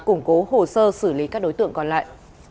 củng cố hồ sơ xử lý các đối tượng còn lại